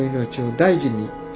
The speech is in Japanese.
大事に。